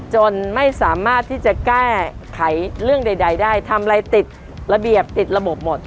จนไม่สามารถที่จะแก้ไขเรื่องใดได้ทำอะไรติดระเบียบติดระบบหมด